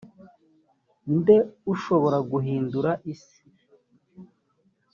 nde ushobora guhindura isi